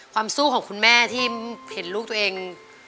สู้ของคุณแม่ที่เห็นลูกตัวเอง